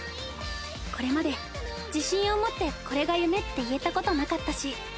これまで自信を持ってこれが夢って言えたことなかったし。